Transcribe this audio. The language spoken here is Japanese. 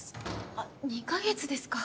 あっ２カ月ですか。